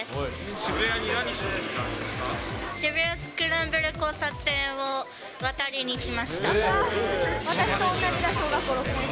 渋谷スクランブル交差点を渡りに来ました。